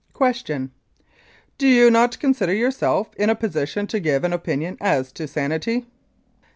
Q. You do not consider yourself in a position to give an opinion as to the sanity?